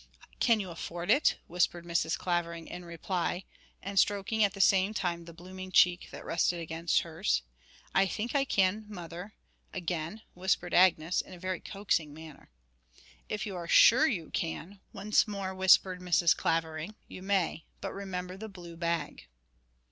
'Can you afford it?' whispered Mrs. Clavering in reply, and stroking at the same time the blooming cheek that rested against hers. 'I think I can, mother,' again whispered Agnes, in a very coaxing manner. 'If you are sure you can,' once more whispered Mrs. Clavering, 'you may; but remember the blue bag.'